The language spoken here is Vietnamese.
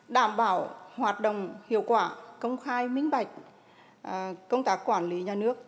đảm bảo hoạt động hiệu quả công khai minh bạch công tác quản lý nhà nước